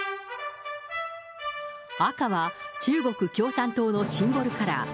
赤は中国共産党のシンボルカラー。